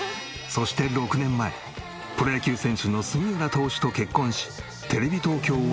そして６年前プロ野球選手の杉浦投手と結婚しテレビ東京を退社。